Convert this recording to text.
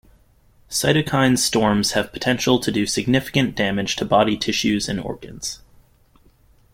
Cytokine storms have potential to do significant damage to body tissues and organs.